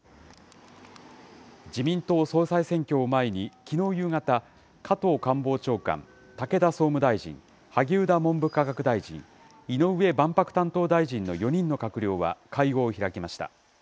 自民党総裁選挙を前に、きのう夕方、加藤官房長官、武田総務大臣、萩生田文部科学大臣、井上万博担当大臣の４人の閣僚は、会合を開きました。